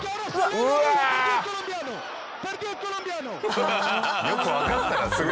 うわ！よくわかったなすぐ。